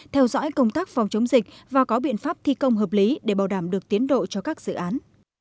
theo dõi công tác phòng chống dịch và có biện pháp thi công hợp lý để bảo đảm được tiến độ cho các dự án